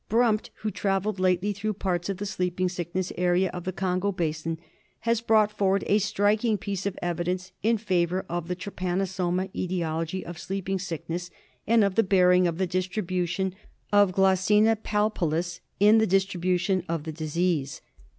Brumpt, who travelled lately through parts of the Sleeping Sickness area of the Congo basin, has brought forward a striking piece of evidence in favour of the trypanosoma etiology of Sleeping Sickness and of the bearing of the distribution of Glossina palpalis in the dis tribution of the disease.